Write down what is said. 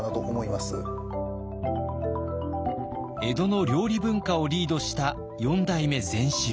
江戸の料理文化をリードした４代目善四郎。